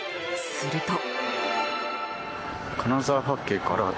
すると。